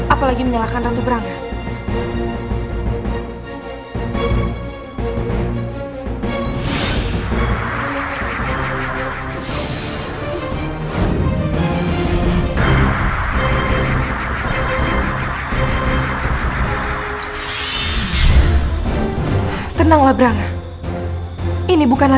apalagi menyalahkan ratu brangga